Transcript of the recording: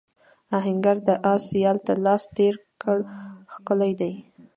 آهنګر د آس یال ته لاس تېر کړ ښکلی دی.